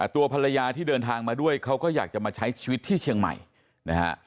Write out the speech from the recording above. ตัวภรรยาที่เดินทางมาด้วยเขาก็อยากจะมาใช้ชีวิตที่เชียงใหม่นะฮะ